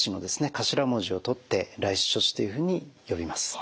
頭文字を取ってＲＩＣＥ処置というふうに呼びます。